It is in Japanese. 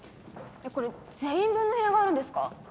これ全員分の部屋があるんですか？